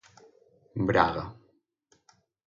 Braga.